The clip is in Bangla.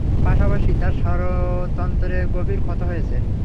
পাশাপাশি তার স্বরতন্ত্রে গভীর ক্ষত হয়েছে।